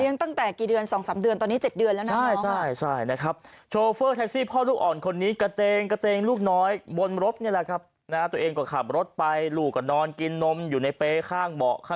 ตั้งแต่กี่เดือน๒๓เดือนตอนนี้๗เดือนแล้วนะ